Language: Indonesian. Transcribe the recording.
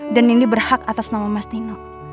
dan nindi berhak atas nama mas nino